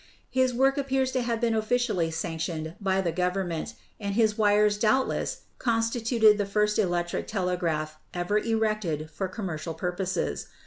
His work appears to have been officially sanctioned by the govern ment, and his wires doubtless constituted the first electric telegraph ever erected for commercial purposes.